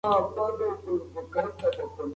خلک باید د چاپیریال ساتنې ته پام وکړي.